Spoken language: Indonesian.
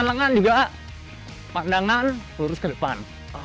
luruskan ke depan